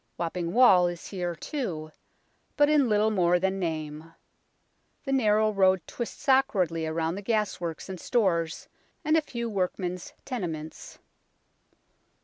Wapping Wall is here, too, but in little more than name. The narrow road twists awkwardly around gasworks and stores and a few workmen's tenements.